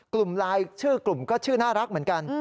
กลุ่มไลน์ชื่อกลุ่มก็ชื่อน่ารักเหมือนกัน